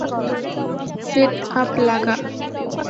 Set up লাগা।